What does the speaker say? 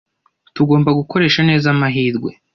Tugomba gukoresha neza amahirwe.